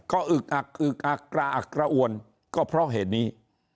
ก็อึกอักอึกอักกระอักกระอวนก็เพราะเหตุนี้